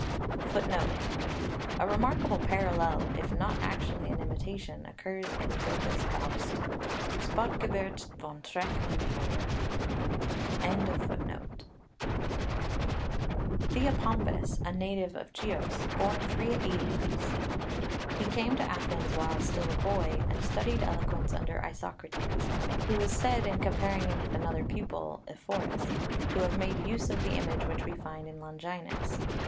[Footnote 1: A remarkable parallel, if not actually an imitation, occurs in Goethe's Faust, "Du Spottgeburt von Dreck und Feuer."] THEOPOMPUS, a native of Chios; born 380 B.C. He came to Athens while still a boy, and studied eloquence under Isokrates, who is said, in comparing him with another pupil, Ephorus, to have made use of the image which we find in Longinus, c.